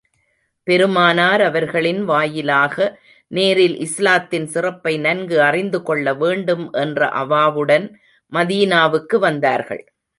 பெருமானார் அவர்களின் வாயிலாக, நேரில் இஸ்லாத்தின் சிறப்பை நன்கு அறிந்து கொள்ள வேண்டும் என்ற அவாவுடன் மதீனாவுக்கு வந்தார்கள்.